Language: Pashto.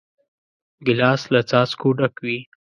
ګیلاس له څاڅکو ډک وي.